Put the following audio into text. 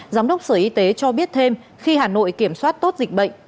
giám đốc sở y tế cho biết thêm khi hà nội kiểm soát tốt dịch bệnh